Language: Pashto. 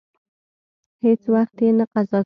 هیڅ وخت یې نه قضا کاوه.